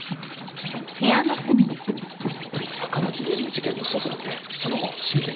赤巻議員の事件の捜査ってその後進展ないのか？